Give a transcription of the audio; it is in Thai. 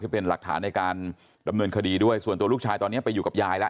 เป็นหลักฐานในการดำเนินคดีด้วยส่วนตัวลูกชายตอนนี้ไปอยู่กับยายแล้ว